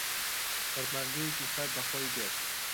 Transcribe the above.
فەرمانگەیەکی سەر بە خۆی بێت